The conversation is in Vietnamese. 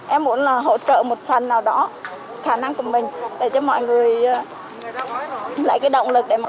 em muốn là hỗ trợ một phần nào đó khả năng của mình để cho mọi người